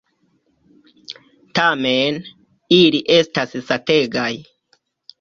Tamen, ili estas sategaj.